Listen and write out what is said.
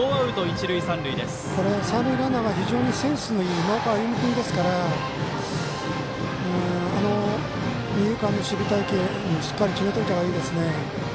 これは三塁ランナーが非常にセンスのいい今岡歩夢君ですから二遊間の守備隊形、しっかり決めておいた方がいいですね。